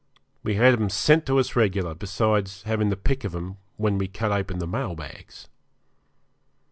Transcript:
We had 'em sent to us regular; besides having the pick of 'em when we cut open the mail bags.